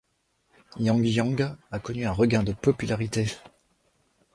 Yang yang a connu un regain de popularité.